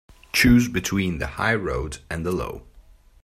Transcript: Choose between the high road and the low.